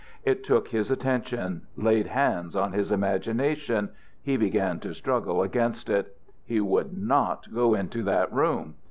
It took his attention, laid hands on his imagination. He began to struggle against it. He would not go into that room.